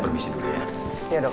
terima kasih dok